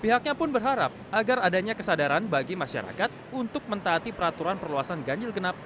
pihaknya pun berharap agar adanya kesadaran bagi masyarakat untuk mentaati peraturan perluasan ganjil genap